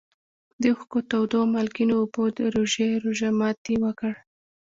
د اوښکو تودو او مالګینو اوبو د روژې روژه ماتي وکړ.